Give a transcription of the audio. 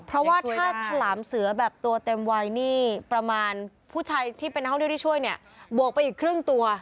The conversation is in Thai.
เพราะว่าถ้าฉลามเสือแบบตัวเต็มวัยนี่ประมาณผู้ชายที่เป็นนักท่องเที่ยวที่ช่วยเนี่ยบวกไปอีกครึ่งตัว